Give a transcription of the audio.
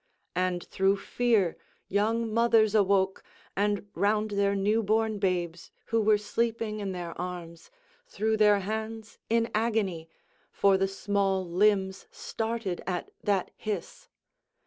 And through fear young mothers awoke, and round their new born babes, who were sleeping in their arms, threw their hands in agony, for the small limbs started at that hiss.